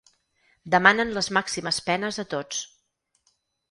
Demanen les màximes penes a tots.